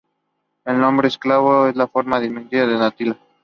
El nombre eslavo es la forma diminuta de Natalia.